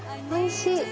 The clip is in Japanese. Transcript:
おいしい。